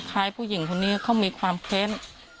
ผู้หญิงคนนี้เขามีความแค้น